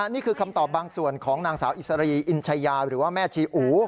นี่คือคำตอบบางส่วนของนางสาวอิสรีอินชายาหรือว่าแม่ชีอู